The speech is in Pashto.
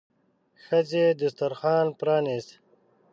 ښځې دسترخوان پرانيست.